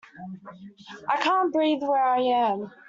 I can't breathe where I am.